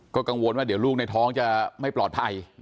ก็กังวลว่าเดี๋ยวลูกในท้องจะไม่ปลอดภัย